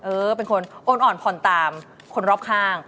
เออเป็นคนโอนอ่อนผ่อนตามคนรอบข้าง